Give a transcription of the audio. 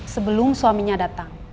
sebelum suaminya datang